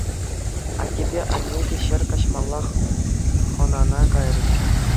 Аттепе анне те ҫӗр каҫмаллах хӑнана кайрӗҫ.